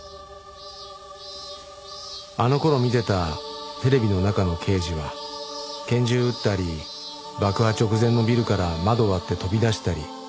あの頃見てたテレビの中の刑事は拳銃撃ったり爆破直前のビルから窓を割って飛び出したり